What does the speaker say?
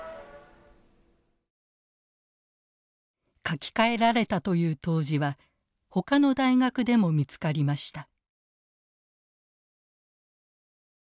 書き換えられたという答辞はほかの大学でも見つかりました。